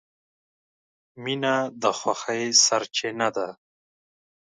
• مینه د خوښۍ سرچینه ده.